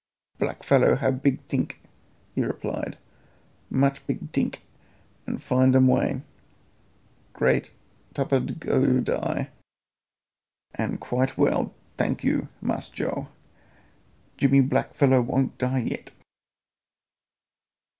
"Black fellow hab big tink," he replied. "Much big tink and find um way. Great tupid go die when quite well, tank you, Mass Joe. Jimmy black fellow won't die yet?